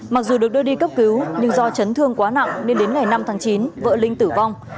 mặc dù được đưa đi cấp cứu nhưng do chấn thương quá nặng nên đến ngày năm tháng chín vợ linh tử vong